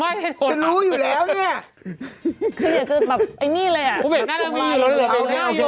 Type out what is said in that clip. จะรู้อยู่แล้วเนี่ย